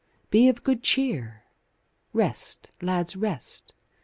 Be of good cheer! Rest, lads, rest!